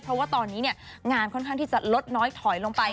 เพราะว่าตอนนี้งานค่อนข้างที่จะลดน้อยถอยลงไป